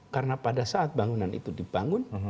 karena pada saat bangunan itu dibangun